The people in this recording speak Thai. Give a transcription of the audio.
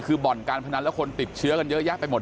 คือบ่อนการพนันแล้วคนติดเชื้อกันเยอะแยะไปหมด